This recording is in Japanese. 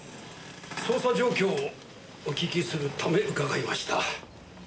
捜査状況をお聞きするため伺いました。